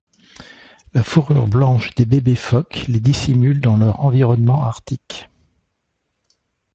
La fourrure blanche des bébés phoques les dissimule dans leur environnement arctique.